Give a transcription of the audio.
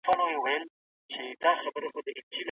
په سړو اوبو غسل کول بدن تازه کوي.